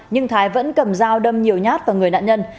nhưng thái vẫn cầm dao đâm nhiều nhát vào người nạn nhân